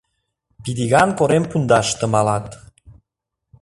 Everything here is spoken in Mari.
Пидиган корем пундаште малат.